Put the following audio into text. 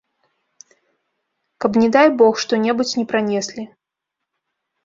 Каб не дай бог, што-небудзь не пранеслі.